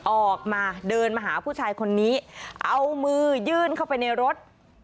ออกมาเดินมาหาผู้ชายคนนี้เอามือยื่นเข้าไปในรถ